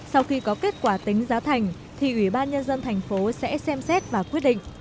sau khi có kết quả tính giá thành thì ủy ban nhân dân thành phố sẽ xem xét và quyết định